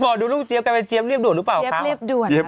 พอดูลูกเจี๊ยมกันเจี๊ยมเรียบด่วนหรือเปล่าครับ